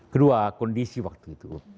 kedua kondisi waktu itu